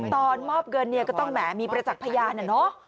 ตอนมอบเงินเนี่ยก็ต้องแหมมีประจักษ์พยานอะเนาะ